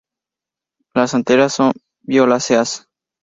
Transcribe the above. Las anteras son violáceas.